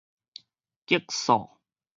激素